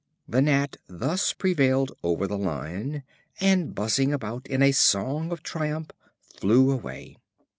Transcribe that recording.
The Gnat thus prevailed over the Lion, and buzzing about in a song of triumph, flew away.